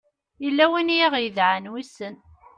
yella win i aɣ-d-idɛan wissen